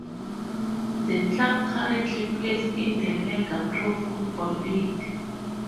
The club currently plays in the Lega Pro football league.